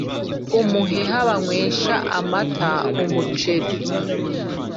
umuheha banywesha amata umuceri